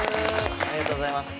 ありがとうございます。